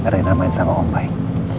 rena main sama om baik